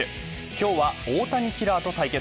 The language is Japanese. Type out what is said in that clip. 今日は、大谷キラーと対決。